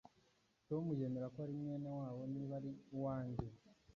Tom yemera ko ari mwene wabo niba ari uwanjye.